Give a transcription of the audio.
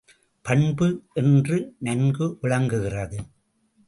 பண்பு என்று நன்கு விளங்குகிறது.